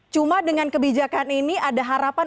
cuma dengan kebijakan ini ada harapan